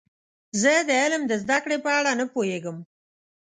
زه د علم د زده کړې په اړه نه پوهیږم.